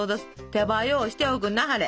手早うしておくんなはれ。